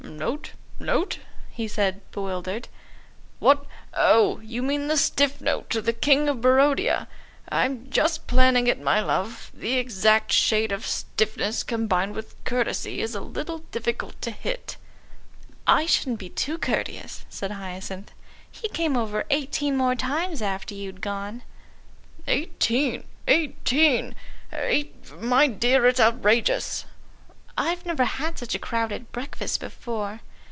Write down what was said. "Note? Note?" he said, bewildered, "what oh, you mean the Stiff Note to the King of Barodia? I'm just planning it, my love. The exact shade of stiffness, combined with courtesy, is a little difficult to hit." "I shouldn't be too courteous," said Hyacinth; "he came over eighteen more times after you'd gone." "Eighteen, eighteen, eight my dear, it's outrageous." "I've never had such a crowded breakfast before."